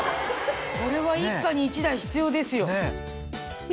これは一家に一台必要ですよ。